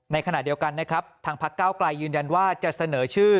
ในขณะเดียวกันนะครับทางพักเก้าไกลยืนยันว่าจะเสนอชื่อ